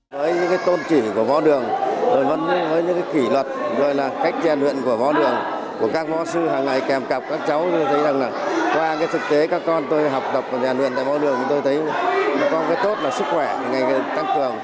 với những tôn chỉ của võ đường với những kỷ luật cách truyền luyện của võ đường của các võ sư hàng ngày kèm cặp các cháu tôi thấy rằng là qua thực tế các con tôi học tập truyền luyện tại võ đường tôi thấy con có tốt là sức khỏe ngành tăng cường